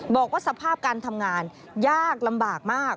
บอกว่าสภาพการทำงานยากลำบากมาก